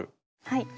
はい。